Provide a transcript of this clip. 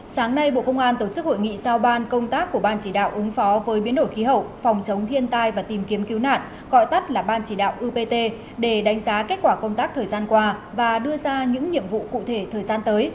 sáng nay bộ công an tổ chức hội nghị giao ban công tác của ban chỉ đạo ứng phó với biến đổi khí hậu phòng chống thiên tai và tìm kiếm cứu nạn để đánh giá kết quả công tác thời gian qua và đưa ra những nhiệm vụ cụ thể thời gian tới